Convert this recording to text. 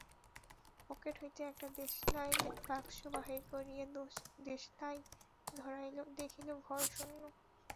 Pocket হইতে একটা দেশালাইয়ের বাক্স বাহির করিয়া দেশালাই ধরাইল–দেখিল, ঘর শূন্য।